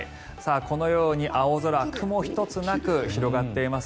このように青空雲一つなく広がっています。